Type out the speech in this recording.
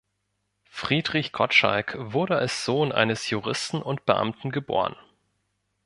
Friedrich Gottschalck wurde als Sohn eines Juristen und Beamten geboren.